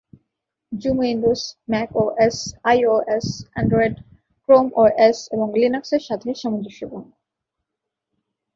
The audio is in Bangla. Zoom Windows, Mac OS, iOS, Android, Chrome OS এবং লিনাক্সের সাথে সামঞ্জস্যপূর্ণ।